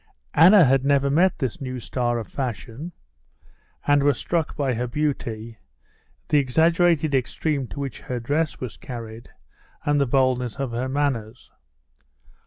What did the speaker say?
Anna had never met this new star of fashion, and was struck by her beauty, the exaggerated extreme to which her dress was carried, and the boldness of her manners.